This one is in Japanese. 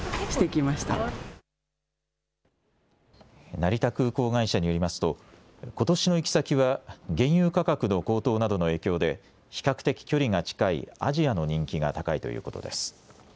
成田空港会社によりますと、ことしの行き先は、原油価格の高騰などの影響で、比較的距離が近いアジアの人気が高いということです。